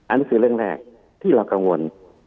อันนี้คือเรื่องแรกที่เรากังวล